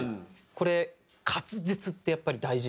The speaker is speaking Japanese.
これ滑舌ってやっぱり大事で。